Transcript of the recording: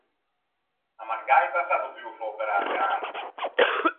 A Margaita a s’à dovuo fâ operâ a gamba.